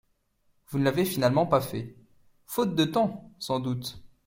Vous ne l’avez finalement pas fait – faute de temps, sans doute.